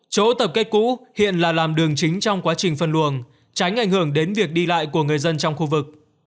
chỗ tập kết cũ hiện là làm đường chính trong quá trình phân luồng tránh ảnh hưởng đến việc đi lại của người dân trong khu vực